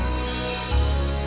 dan menghentikan raiber